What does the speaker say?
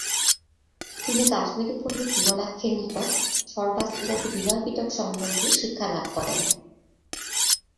তিনি তিনি কাশ্মীরি পণ্ডিত বিমলাক্ষের নিকট সর্বাস্তিবাদী বিনয়পিটক সম্বন্ধে শিক্ষা লাভ করেন।